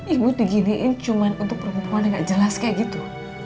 ibu diginiin cuma untuk perempuan perempuan yang gak jelas kayak gitu